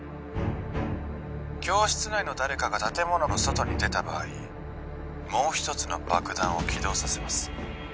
教室内の誰かが建物の外に出た場合もう一つの爆弾を起動させます